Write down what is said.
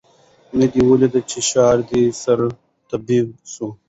نه دي ولیده چي ښار دي سره تبۍ سو